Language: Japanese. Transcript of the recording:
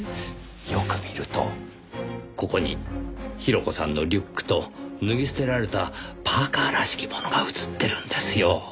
よく見るとここに広子さんのリュックと脱ぎ捨てられたパーカーらしきものが写ってるんですよ。